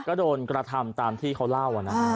ก็โดนกระทำตามที่เขาเล่านะ